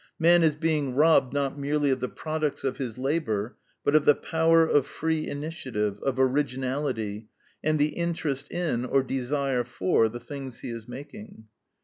Man is being robbed not merely of the products of his labor, but of the power of free initiative, of originality, and the interest in, or desire for, the things he is making.